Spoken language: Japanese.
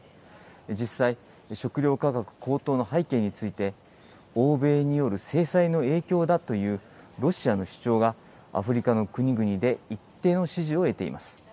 実際、食料価格高騰の背景について、欧米による制裁の影響だというロシアの主張がアフリカの国々で一定の支持を得ています。